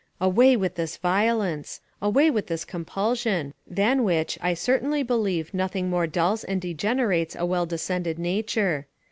Away with this violence! away with this compulsion! than which, I certainly believe nothing more dulls and degenerates a well descended nature.